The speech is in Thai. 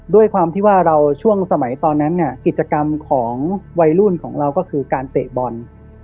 ด้วยความที่ว่าเราช่วงสมัยตอนนั้นเนี่ยกิจกรรมของวัยรุ่นของเราก็คือการเตะบอล